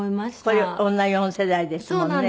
これ女４世代ですもんね。